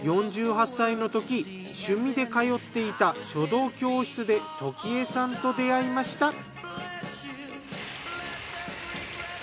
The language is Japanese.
４８歳の時趣味で通っていた書道教室で時枝さんと出会いました。